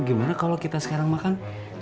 gimana kalau kita sekarang makan